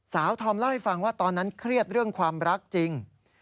ธอมเล่าให้ฟังว่าตอนนั้นเครียดเรื่องความรักจริง